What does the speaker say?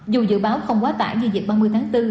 dù dự báo không quá tải như dịp ba mươi tháng bốn